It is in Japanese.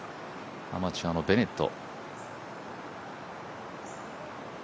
アマチュアのベネット。